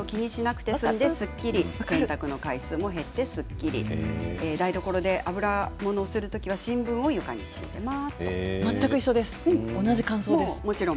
マットの下にたまるごみを気にしなくて済むのですっきり洗濯の回数も減ってすっきり台所で油ものをする時は新聞を横に敷いています。